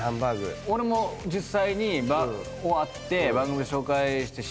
俺も実際に終わって番組で紹介して知った物を。